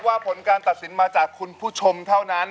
ผลการตัดสินมาจากคุณผู้ชมเท่านั้น